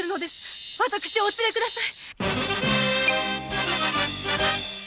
私をお連れください